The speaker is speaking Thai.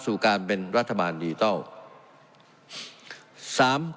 สู่การเป็นรัฐบาลดีต้อง